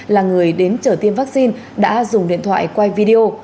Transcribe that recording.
là người đến chở tiêm vắc xin đã dùng điện thoại quay video